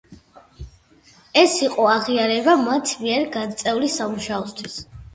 ეს იყო აღიარება მათ მიერ გაწეული სამუშაოსთვის.